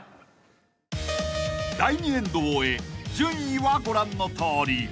［第２エンドを終え順位はご覧のとおり］